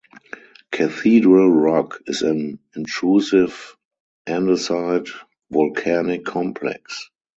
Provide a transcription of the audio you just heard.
Cathedral Rock is an intrusive andesite volcanic complex.